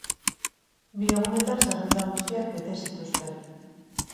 Bi egunetan, zerrenda guztiak bete zituzten.